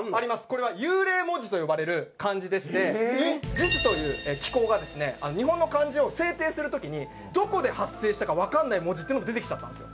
これは幽霊文字と呼ばれる漢字でしてＪＩＳという機構がですね日本の漢字を制定する時にどこで発生したかわからない文字っていうのが出てきちゃったんですよ。